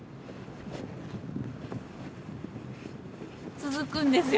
続くんですよ